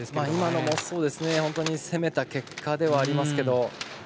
今のも攻めた結果ではありますけど。